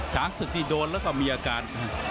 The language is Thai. ช้างสตรีโดนแล้วก็มีอาการ